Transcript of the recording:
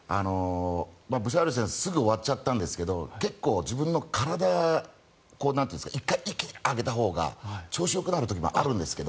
ブシャール選手はすぐ終わっちゃったんですけど結構自分の体１回、息を上げたほうが調子がよくなる時もあるんですけど。